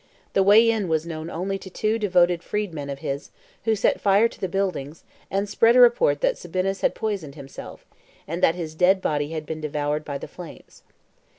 The way in was known only to two devoted freedmen of his, who set fire to the buildings, and spread a report that Sabinus had poisoned himself, and that his dead body had been devoured by the flames.